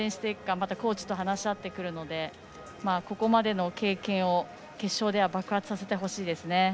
またコーチと話し合ってくるのでここまでの経験を決勝では爆発させてほしいですね。